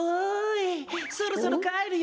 そろそろかえるよ！